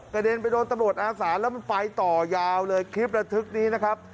เด็นไปโดนตำรวจอาสาแล้วมันไปต่อยาวเลยคลิประทึกนี้นะครับ